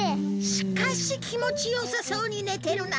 しかしきもちよさそうに寝てるな。